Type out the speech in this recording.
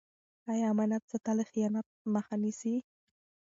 آیا امانت ساتل د خیانت مخه نیسي؟